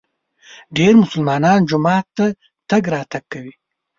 ډېر مسلمانان جومات ته تګ راتګ کوي.